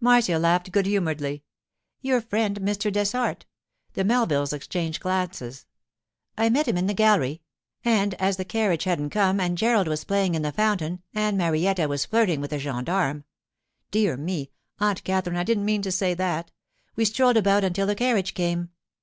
Marcia laughed good humouredly. 'Your friend Mr. Dessart.' The Melvilles exchanged glances. 'I met him in the gallery, and as the carriage hadn't come and Gerald was playing in the fountain and Marietta was flirting with a gendarme (Dear me! Aunt Katherine, I didn't mean to say that), we strolled about until the carriage came.